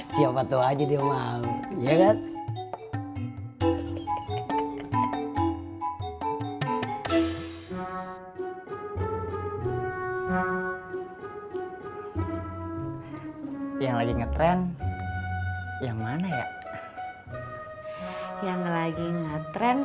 siapa tuh aja dia mau ya kan yang lagi ngetrend yang mana ya yang lagi ngetrend